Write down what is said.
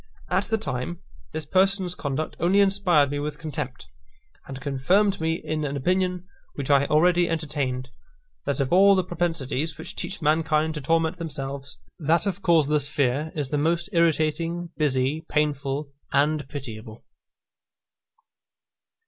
At the time, this person's conduct only inspired me with contempt, and confirmed me in an opinion which I already entertained, that of all the propensities which teach mankind to torment themselves, that of causeless fear is the most irritating, busy, painful, and pitiable.